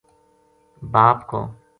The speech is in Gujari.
باپ ک